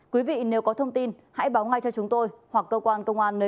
quý vị nếu có thông tin hãy báo ngay cho chúng tôi hoặc cơ quan cảnh sát điều tra bộ công an